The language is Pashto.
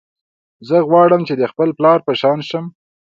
زه غواړم چې د خپل پلار په شان شم